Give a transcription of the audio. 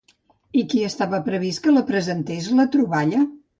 I qui estava previst que la presentés, la troballa?